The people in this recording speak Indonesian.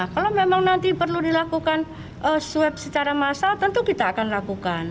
kalau memang nanti perlu dilakukan swab secara massal tentu kita akan lakukan